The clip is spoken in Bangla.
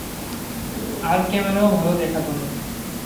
আর ক্যামেরায়ও ভালো দেখাত না।